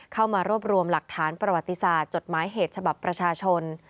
เข้ามารวบรวมหลักฐานประวัติศาสตร์จดหมายเหตุฉบับประชาชน